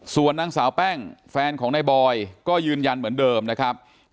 ส่วนนางสาวแป้งแฟนของนายบอยก็ยืนยันเหมือนเดิมนะครับ